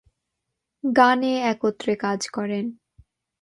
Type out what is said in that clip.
গানে একত্রে কাজ করেন।